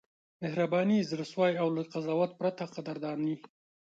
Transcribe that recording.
مهرباني، زړه سوی او له قضاوت پرته قدرداني: